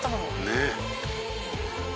「ねえ」